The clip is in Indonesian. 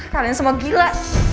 kalian semua gila